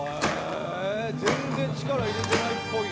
全然力入れてないっぽい。